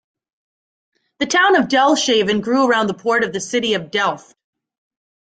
The town of Delfshaven grew around the port of the city of Delft.